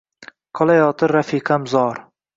Qolayotir rafiqam zor